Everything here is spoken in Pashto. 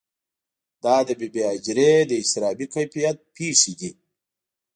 دا د بې بي هاجرې د اضطرابي کیفیت پېښې دي.